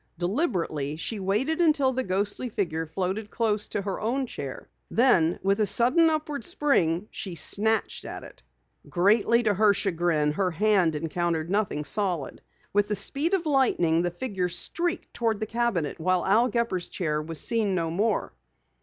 Deliberately she waited until the ghostly figure floated close to her own chair. Then with a sudden upward spring, she snatched at it. Greatly to her chagrin, her hand encountered nothing solid. With the speed of lightning, the figure streaked toward the cabinet behind Al Gepper's chair and was seen no more.